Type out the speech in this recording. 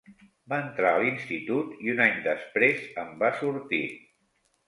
Va entrar a l'Institut i un any després en va sortir.